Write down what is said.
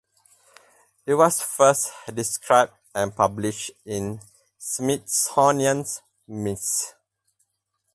It was first described and published in Smithsonian Misc.